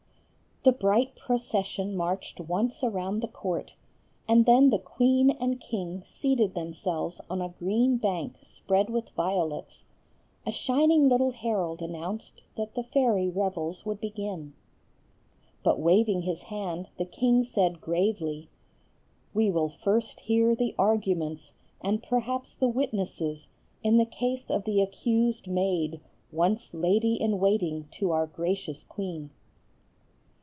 The bright procession marched once around the court, and then the queen and king seated themselves on a green bank spread with violets; a shining little herald announced that the fairy revels would begin. But waving his hand, the king said gravely, "We will first hear the arguments, and perhaps the witnesses, in the case of the accused maid, once lady in waiting to our gracious queen."